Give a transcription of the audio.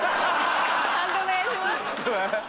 判定お願いします。